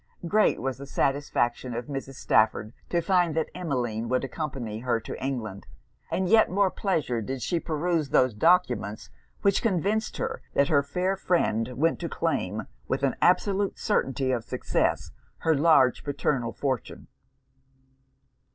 Great was the satisfaction of Mrs. Stafford to find that Emmeline would accompany her to England; with yet more pleasure did she peruse those documents which convinced her that her fair friend went to claim, with an absolute certainty of success, her large paternal fortune.